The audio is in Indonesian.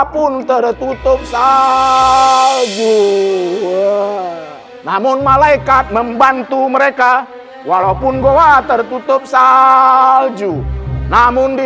pun tertutup sagu namun malaikat membantu mereka walaupun goa tertutup salju namun di